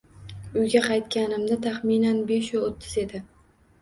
Uyga qaytganimda, taxminan, beshu o`ttiz edi